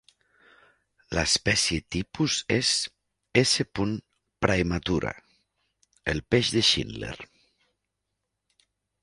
L'espècie tipus és "S. praematura", el peix de Schindler.